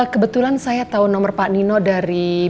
kebetulan saya tahu nomor pak nino dari babysitter com